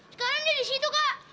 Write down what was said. sekarang dia di situ kak